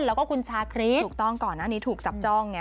แล้วก็คุณชาคริสถูกต้องก่อนหน้านี้ถูกจับจ้องไง